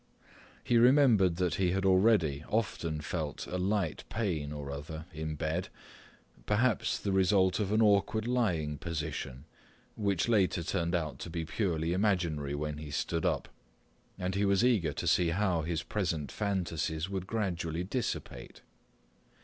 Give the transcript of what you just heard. He remembered that he had already often felt a light pain or other in bed, perhaps the result of an awkward lying position, which later turned out to be purely imaginary when he stood up, and he was eager to see how his present fantasies would gradually dissipate.